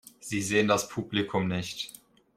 Sie sehen das Publikum nicht.